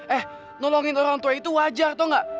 eh nolongin orang tua itu wajar tau gak